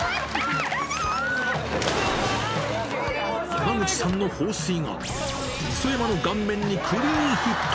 山口さんの放水が、磯山の顔面にクリーンヒット。